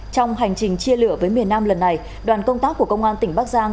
trong hành trình chia lửa với miền nam lần này đoàn công tác của công an tỉnh bắc giang